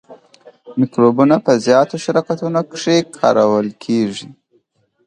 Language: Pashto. مکروبونه په زیاتو شرکتونو کې کارول کیږي.